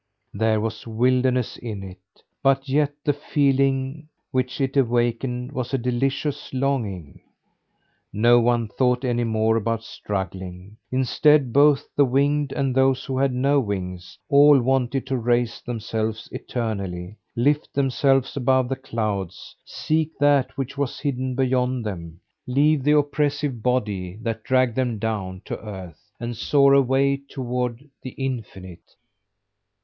There was wildness in it; but yet the feeling which it awakened was a delicious longing. No one thought any more about struggling. Instead, both the winged and those who had no wings, all wanted to raise themselves eternally, lift themselves above the clouds, seek that which was hidden beyond them, leave the oppressive body that dragged them down to earth and soar away toward the infinite.